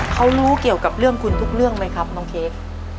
เขารู้เกี่ยวกับเรื่องคุณทุกเรื่องไหมครับน้องเค้ก